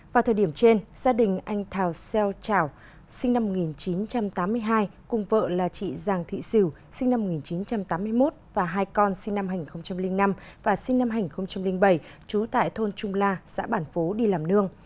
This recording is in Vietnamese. vào thời điểm trên gia đình anh thào xeo trảo sinh năm một nghìn chín trăm tám mươi hai cùng vợ là chị giàng thị xỉu sinh năm một nghìn chín trăm tám mươi một và hai con sinh năm hai nghìn năm và sinh năm hai nghìn bảy trú tại thôn trung la xã bản phố đi làm nương